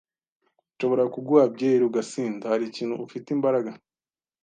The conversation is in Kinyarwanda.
"Nshobora kuguha byeri ugasinda?" "Hari ikintu ufite imbaraga?"